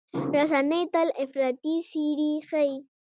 رسنۍ تل افراطي څېرې ښيي.